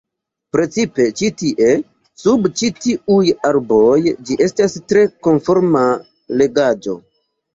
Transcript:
Precipe ĉi tie, sub ĉi tiuj arboj ĝi estas tre konforma legaĵo.